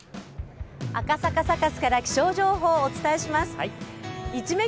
赤坂サカスから気象情報をお伝えします。